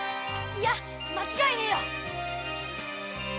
いや間違いねぇよ。